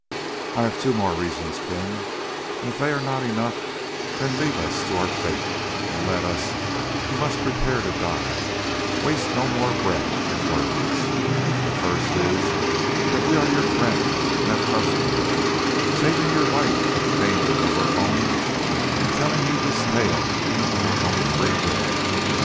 "I have two more reasons, King, and if they are not enough, then leave us to our fate, and let us, who must prepare to die, waste no more breath in words. The first is that we are your friends and have trusted you, saving your life at the danger of our own and telling you this tale of our own free will.